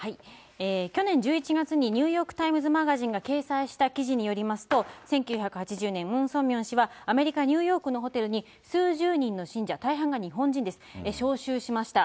去年１１月に、ニューヨーク・タイムズ・マガジンが掲載した記事によりますと、１９８０年、ムン・ソンミョン氏は、アメリカ・ニューヨークのホテルに数十人の信者、大半が日本人です、招集しました。